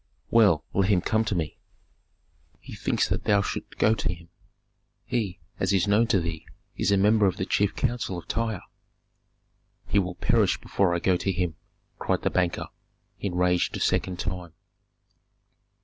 "Well, let him come to me." "He thinks that thou shouldst go to him. He, as is known to thee, is a member of the chief council of Tyre." "He will perish before I go to him," cried the banker, enraged a second time.